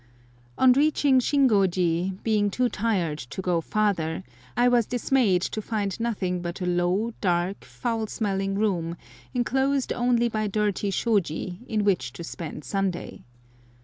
On reaching Shingoji, being too tired to go farther, I was dismayed to find nothing but a low, dark, foul smelling room, enclosed only by dirty shôji, in which to spend Sunday.